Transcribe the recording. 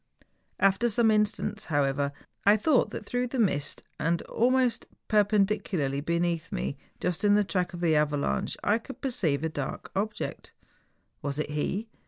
After some instants, however, I thought that through the mist, and almost perpendicularly beneath me, just in the track of the avalanche, I could perceive a dark object. Was it he?